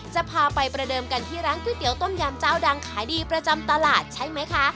จะพาไปประเดิมกันที่ร้านก๋วยเตี๋ยต้มยำเจ้าดังขายดีประจำตลาดใช่ไหมคะ